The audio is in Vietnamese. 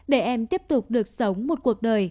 để em tiếp tục được sống một cuộc đời